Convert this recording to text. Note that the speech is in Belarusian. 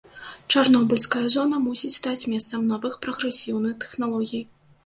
Чарнобыльская зона мусіць стаць месцам новых прагрэсіўных тэхналогій.